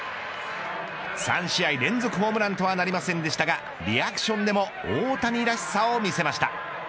３試合連続ホームランとはなりませんでしたがリアクションでも大谷らしさを見せました。